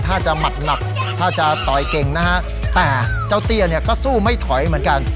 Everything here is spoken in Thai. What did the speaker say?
ถ้าจะหมัดหนักถ้าจะต่อยเก่งนะฮะแต่เจ้าเตี้ยเนี่ยก็สู้ไม่ถอยเหมือนกัน